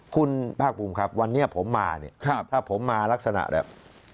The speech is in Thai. คุณภาคภูมิครับวันนี้ผมมาเนี่ยถ้าผมมาลักษณะแบบ